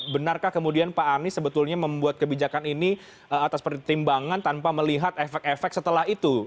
benarkah kemudian pak anies sebetulnya membuat kebijakan ini atas pertimbangan tanpa melihat efek efek setelah itu